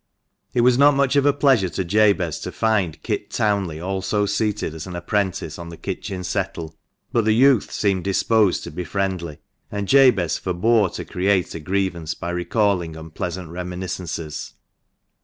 It was not much of a pleasure to Jabez to find Kit Townley also seated as an apprentice on the kitchen settle ; but the youth seemed disposed to be friendly, and Jabez forbore to create a grievance by recalling unpleasant reminiscences.